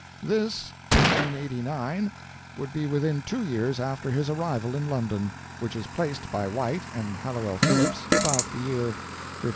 This (1589) would be within two years after his arrival in London, which is placed by White and Halliwell Phillipps about the year 1587.